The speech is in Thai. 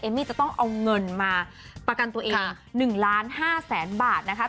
เอมมี่จะต้องเอาเงินมาประกันตัวเอง๑๕๐๐๐๐๐บาทนะคะ